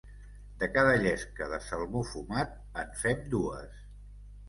De cada llesca de salmó fumat en fem dues.